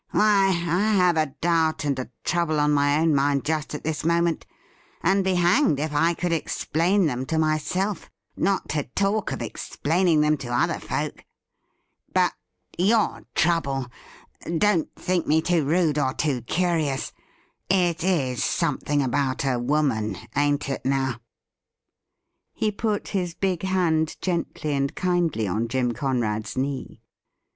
' Why, I have a doubt and a trouble on my own mind just at this moment, and be hanged if I could explain them to myself, not to talk of explaining them to other folk. But your trouble — don't think me rude or too curious — it is something about a woman, ain't it, now ?' He put his big hand gently and kindly on Jim Conrad's knee.